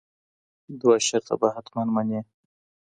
دوه شرطه به حتمآ منې